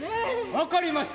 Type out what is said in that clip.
分かりました。